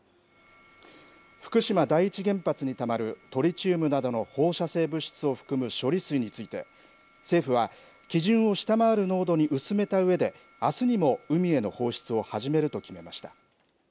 福島第一原発にたまるトリチウムなどの放射性物質を含む処理水について、政府は基準を下回る濃度に薄めたうえで、あすにも海への放出を始めると決めました。